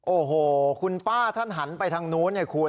โอ้โหคุณป้าท่านหันไปทางนู้น